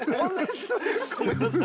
ごめんなさい。